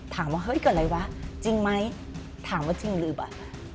ถามว่าเฮ้ยเกิดอะไรวะจริงไหมถามว่าจริงหรือเปล่า